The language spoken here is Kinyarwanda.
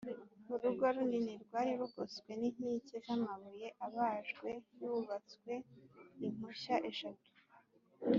Urugo runini rwari rugoswe n’inkike z’amabuye abajwe yubatswe impushya eshatu